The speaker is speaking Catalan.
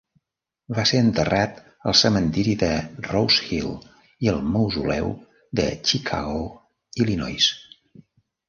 Va ser enterrat al cementiri de Rosehill i al mausoleu de Chicago, Illinois.